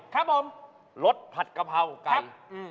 ครับผมรสผัดกะเพราไก่